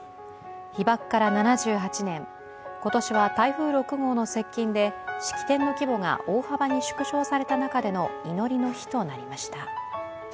被爆から７８年、今年は台風６号の接近で式典の規模が大幅に縮小された中での祈りの日となりました。